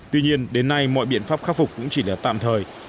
tuy nhiên đến nay mọi biện pháp khắc phục cũng chỉ là tạm thời